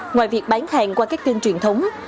ngoài việc bán hàng qua các kênh truyền thống